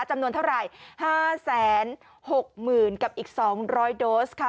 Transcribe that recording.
จำนวนเท่าไหร่๕๖๐๐๐กับอีก๒๐๐โดสค่ะ